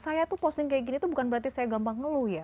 saya tuh posting kayak gini tuh bukan berarti saya gampang ngeluh ya